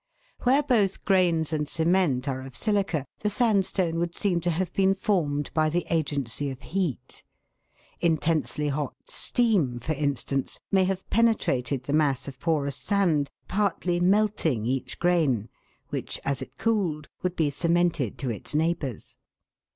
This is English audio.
Where both grains and cement are of silica, the sandstone would seem to have been formed by the agency of heat. Intensely hot steam, for instance, may have penetrated the mass of porous sand, partly melting each grain which, as it cooled, would be cemented to its neighbours.